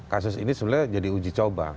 kasus ini sebenarnya jadi uji coba